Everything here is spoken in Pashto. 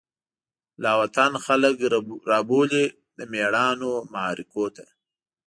لاوطن خلک رابولی، دمیړانومعرکوته